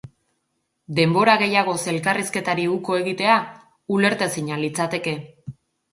Denbora gehiagoz elkarrizketari uko egitea ulertezina litzateke.